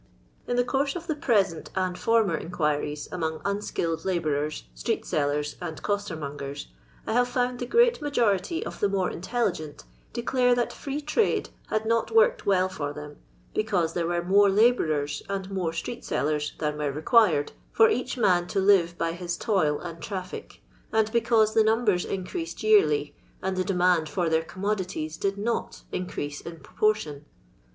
In the course of the present and former in quiries among unskilled labourers, street sellers, and costemiongers, I have found the great majority of the more intelligent declare that Free Trade had not worked well for them, because there were more labourers and more street sellers than were required, for each man to live by his toil and trafiic, and because the num bers increased yearly, and the demand for thoir commodities did not increase in proportion.